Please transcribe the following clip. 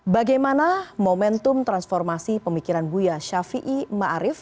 bagaimana momentum transformasi pemikiran buya shafi'i marif